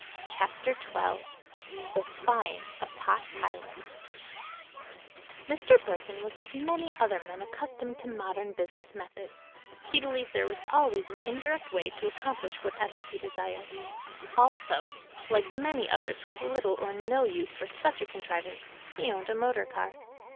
CHAPTER XII THE SPYING OF TOT TYLER Mr. Burthon was like many other men accustomed to modern business methods: he believed there was always an indirect way to accomplish whatever he desired. Also, like many others who have little or no use for such a contrivance, he owned a motor car.